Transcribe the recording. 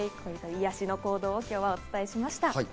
癒やしの行動を今日はお伝えしました。